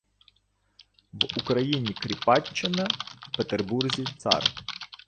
В Україні – кріпаччина, в Петербурзі – цар.